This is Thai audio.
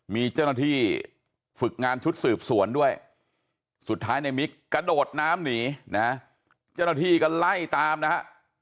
มีเจ้าหน้าที่ฝึกงานชุดสืบสวนด้วยสุดท้ายในมิกกระโดดน้ำหนีนะเจ้าหน้าที่ก็ไล่ตามนะฮะ